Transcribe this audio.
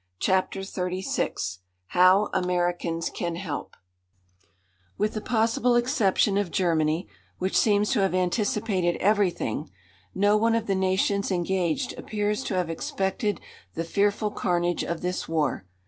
CHAPTER XXXVI HOW AMERICANS CAN HELP With the possible exception of Germany, which seems to have anticipated everything, no one of the nations engaged appears to have expected the fearful carnage of this war.